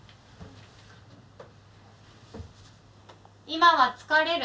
今は疲れる？